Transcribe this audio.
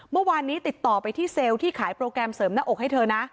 เมื่อวานนี้ติดต่อไปที่เซลล์ที่ขายโปรแกรมเสริมหน้าอกให้เธอนะ